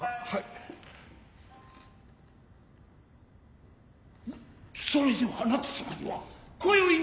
はいはい。